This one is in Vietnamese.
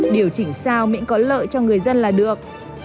điều chỉnh sao miễn có lợi cho người dân là được